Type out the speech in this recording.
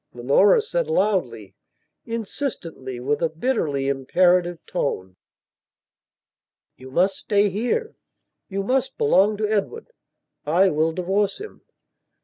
Leonora said loudly, insistently, with a bitterly imperative tone: "You must stay here; you must belong to Edward. I will divorce him."